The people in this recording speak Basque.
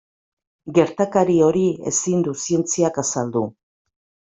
Gertakari hori ezin du zientziak azaldu.